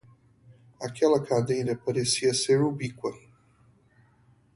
Aquela cadeira parecia ser ubíqua.